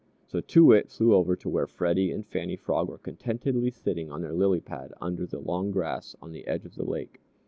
So Too Wit flew over to where Freddie and Fannie Frog were contentedly sitting on their lily pad under the long grass on the edge of the lake.